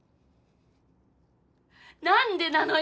何でなのよ。